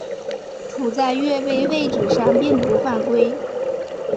处在越位位置上并不犯规。